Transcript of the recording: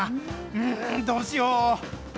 うーん、どうしよう。